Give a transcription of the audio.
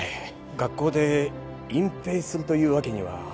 学校で隠ぺいするというわけには